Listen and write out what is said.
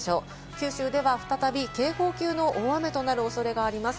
九州では再び警報級の大雨となる恐れがあります。